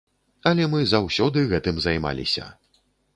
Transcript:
Але мы заўсёды гэтым займаліся.